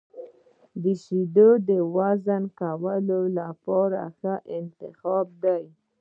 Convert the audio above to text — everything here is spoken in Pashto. • شیدې د وزن کمولو لپاره ښه انتخاب دي.